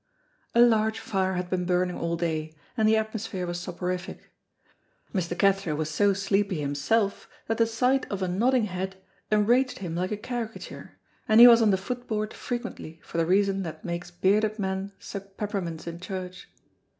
A large fire had been burning all day and the atmosphere was soporific. Mr. Cathro was so sleepy himself that the sight of a nodding head enraged him like a caricature, and he was on the foot board frequently for the reason that makes bearded men suck peppermints in church.